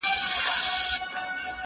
ستا د ژبې کيفيت او معرفت دی؛